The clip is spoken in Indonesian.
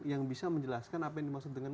yang bisa menjelaskan apa yang dimaksud dengan